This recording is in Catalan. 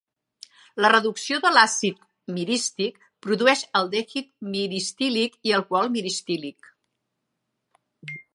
La reducció de l"àcid mirístic produeix aldehid miristílic i alcohol miristílic.